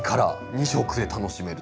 ２色で楽しめると。